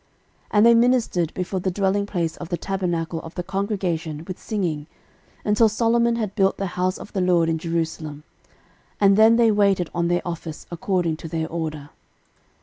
13:006:032 And they ministered before the dwelling place of the tabernacle of the congregation with singing, until Solomon had built the house of the LORD in Jerusalem: and then they waited on their office according to their order.